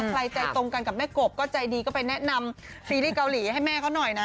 ใจตรงกันกับแม่กบก็ใจดีก็ไปแนะนำซีรีส์เกาหลีให้แม่เขาหน่อยนะ